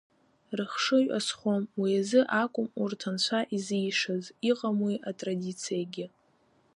Рыхшыҩ азхом, уи азы акәым урҭ Анцәа изишаз, иҟам уи атрадициагьы.